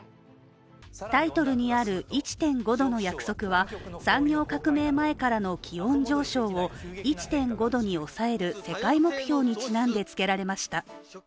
タイトルにある「１．５℃の約束」は産業革命前からの気温上昇を１．５度に抑える世界目標にちなんで、つけられました。